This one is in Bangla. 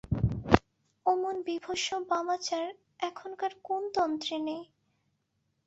অমন বীভৎস বামাচার এখনকার কোন তন্ত্রে নেই।